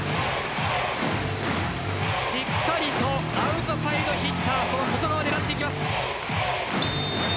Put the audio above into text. しっかりとアウトサイドヒッターの外側を狙っていきます。